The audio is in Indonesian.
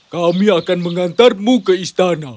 kami akan mengantarmu ke istana